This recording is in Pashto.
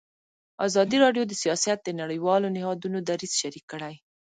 ازادي راډیو د سیاست د نړیوالو نهادونو دریځ شریک کړی.